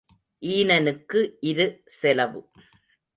ஈனனுக்கு இரு செலவு.